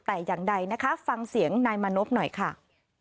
แต่อย่างใดนะคะฟังเสียงนายมานพหน่อยค่ะ